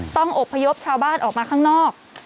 ต้องอบพยพชาวบ้านออกมาข้างนอก